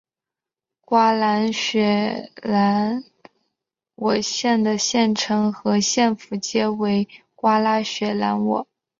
瓜拉雪兰莪县的县城和县府皆为瓜拉雪兰莪。